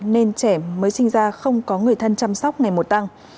nên trẻ mới sinh ra không có người thân chăm sóc ngày một tăng